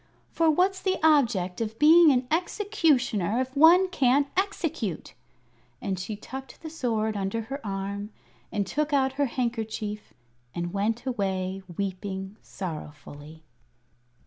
"For what's the object of being an Executioner if one can't execute?" And she tucked the sword under her arm and took out her handkerchief and went away weeping sorrowfully.